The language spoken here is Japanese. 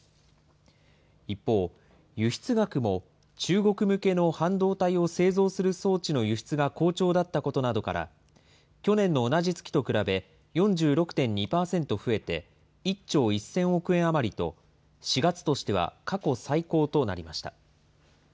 一方、輸出額も中国向けの半導体を製造する装置の輸出が好調だったことなどから、去年の同じ月と比べ４６．２％増えて、１兆１０００億円余りと、４月としては過去最高となりました。